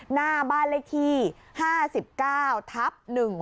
หน้าบ้านเลขที่๕๙ทับ๑